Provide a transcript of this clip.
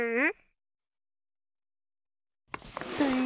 うん？